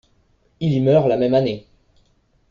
Il y meurt la même année.